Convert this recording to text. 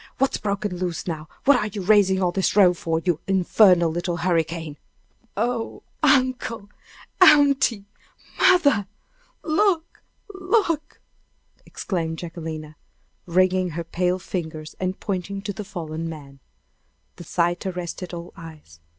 What's broke loose now? What are you raising all this row for, you infernal little hurricane?" "Oh, uncle! aunty! mother! look look!" exclaimed Jacquelina, wringing her pale fingers, and pointing to the fallen man. The sight arrested all eyes.